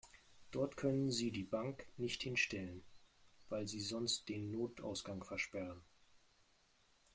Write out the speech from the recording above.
Dort können Sie die Bank nicht hinstellen, weil Sie sonst den Notausgang versperren.